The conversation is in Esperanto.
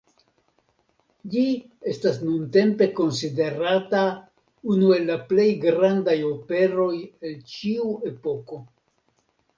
Ĝi estas nuntempe konsiderata unu el la plej grandaj operoj el ĉiu epoko.